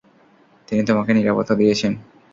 তিনি তোমাকে নিরাপত্তা দিয়েছেন।